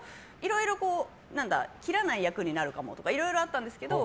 切らない役になるかもとかいろいろあったんですけど